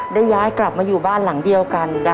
ได้ย้ายกลับมาอยู่บ้านหลังเดียวกัน